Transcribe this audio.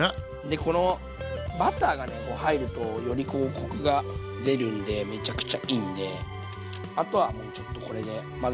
でこのバターが入るとよりコクが出るんでめちゃくちゃいいんであとはもうちょっとこれで混ぜていきます。